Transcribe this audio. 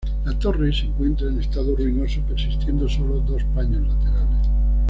La torre se encuentra en estado ruinoso persistiendo sólo dos paños laterales.